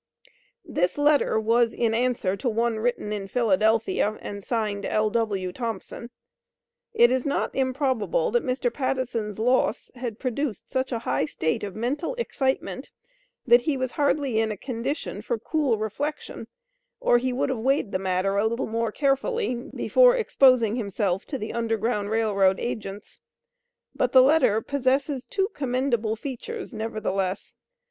This letter was in answer to one written in Philadelphia and signed, "L.W. Thompson." It is not improbable that Mr. Pattison's loss had produced such a high state of mental excitement that he was hardly in a condition for cool reflection, or he would have weighed the matter a little more carefully before exposing himself to the U.G.R.R. agents. But the letter possesses two commendable features, nevertheless.